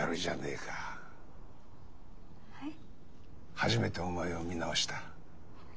初めてお前を見直した。